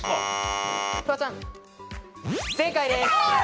フワちゃん、正解です。